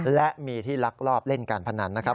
และมีที่ลักลอบเล่นการพนันนะครับ